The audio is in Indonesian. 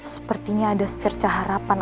sepertinya ada secerca harapan